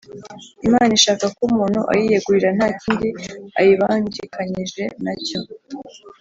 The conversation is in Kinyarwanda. Imana ishaka ko umuntu ayiyegurira nta kindi ayibangikanyije na cyo. “